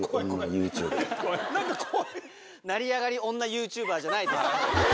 成り上がり女ＹｏｕＴｕｂｅｒじゃないです。